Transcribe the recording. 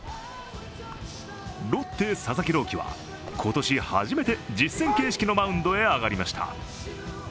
ロッテ・佐々木朗希は、今年初めて実戦形式のマウンドへ上がりました。